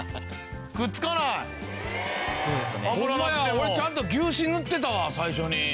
俺ちゃんと牛脂塗ってたわ最初に。